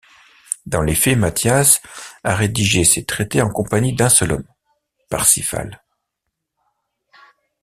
Dans les faits, Matthias a rédigé ces traités en compagnie d'un seul homme, Parsifal.